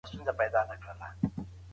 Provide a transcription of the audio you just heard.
حقوقپوهان به نوي تړونونه لاسلیک کړي.